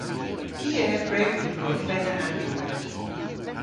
P'eur hwrewgh hwi gorfenna androweyth?